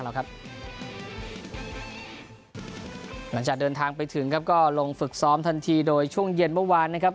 หลังจากเดินทางไปถึงครับก็ลงฝึกซ้อมทันทีโดยช่วงเย็นเมื่อวานนะครับ